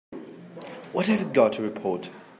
What have you got to report?